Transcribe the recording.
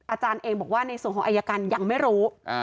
อาจารย์เองบอกว่าในส่วนของอายการยังไม่รู้